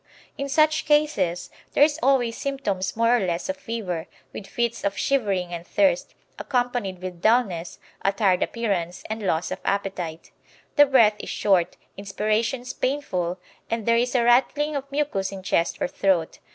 In such cases there is always symptoms more or less of fever, with fits of shivering and thirst, accompanied with dullness, a tired appearance and loss of appetite. The breath is short, inspirations painful, and there is a rattling of mucus in chest or throat.